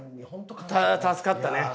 助かったね。